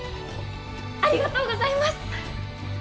ありがとうございます！